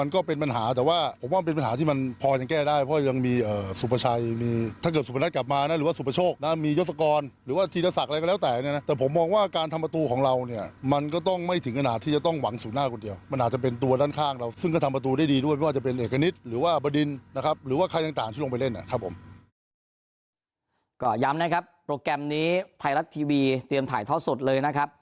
ก็ย้ำนะครับโปรแกรมนี้ไทยรัฐทีวีเตรียมถ่ายทอดสดเลยนะครับ